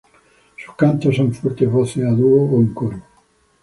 Sus cantos son fuertes voces a dúo o en coro.